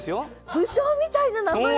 武将みたいな名前だ！